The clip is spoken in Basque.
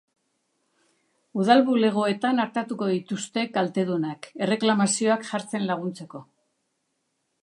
Udal bulegoetan artatuko dituzte kaltedunak, erreklamazioak jartzen laguntzeko.